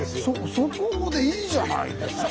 そこでいいじゃないですか。